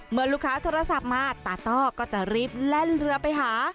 เมื่อลูกค้าโทรศัพท์มาตาต้อก็จะรีบแล่นเรือไปหา